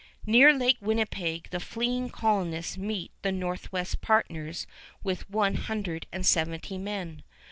Near Lake Winnipeg the fleeing colonists meet the Northwest partners with their one hundred and seventy men.